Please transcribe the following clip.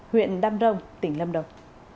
huyện đam rồng tỉnh lâm đồng